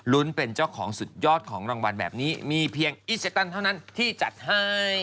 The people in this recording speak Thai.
เป็นเจ้าของสุดยอดของรางวัลแบบนี้มีเพียงอีเซตันเท่านั้นที่จัดให้